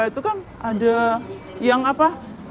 itu kan ada yang apa